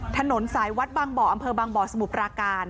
ถนนสายวัดบางบ่ออำเภอบางบ่อสมุทรปราการ